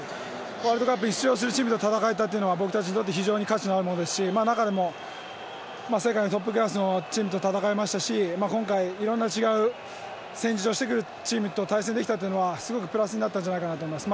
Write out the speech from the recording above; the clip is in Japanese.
ワールドカップに出場するチームと戦えたというのは僕たちにとって非常に価値のあるものですし中でも世界のトップクラスのチームと戦えましたし、今回、いろんな違う戦術をしてくるチームと対戦をできたというのはものすごくプラスになったんじゃないかなと思います。